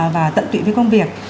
và tận tụy với công việc